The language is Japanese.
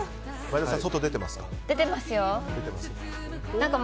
前田さん、外出てますか？